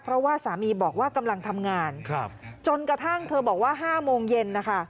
เพราะว่าสามีบอกว่ากำลังทำงานจนกระทั่งเธอบอกว่า๕โมงเย็นนะคะ